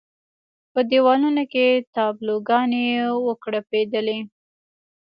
په دېوالونو کې تابلو ګانې وکړپېدلې.